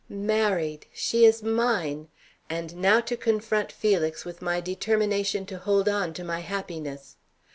Married! She is mine. And now to confront Felix with my determination to hold on to my happiness.